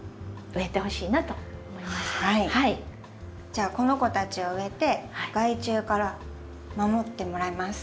じゃあこの子たちを植えて害虫から守ってもらいます。